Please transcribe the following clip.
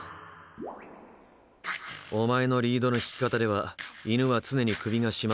お前のリードの引き方では犬は常に首が絞まっている。